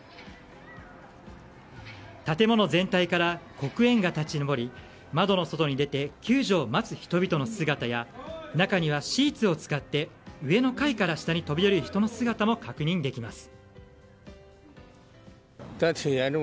建物全体から黒煙が立ち上り窓の外に出て救助を待つ人々の姿や中にはシーツを使って上の階から下に飛び降りる人の姿も確認できます。